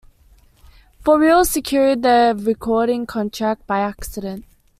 For Real secured their recording contract by accident.